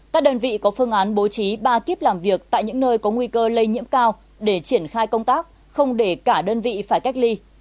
các đơn vị có phương án bố trí ba kíp làm việc tại những nơi có nguy cơ lây nhiễm cao để triển khai công tác không để cả đơn vị phải cách ly